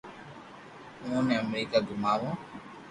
اووہ ني امريڪا گوماوُ